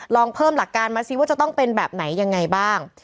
ลองเพิ่มหลักการมาซิว่าจะต้องเป็นแบบไหนยังไงบ้าง